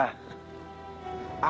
aku mau ke rumah